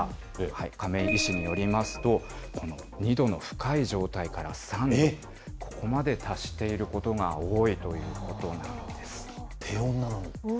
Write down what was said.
亀井医師によりますと、この２度の深い状態から３度、ここまで達していることが多いということな低温なのに。